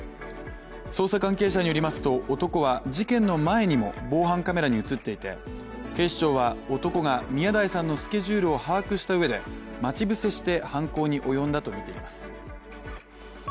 捜査関係者によりますと男は、事件の前にも防犯カメラに映っていて警視庁は男が宮台さんのスケジュールを把握したうえで待ち伏せして犯行に及んだとみています。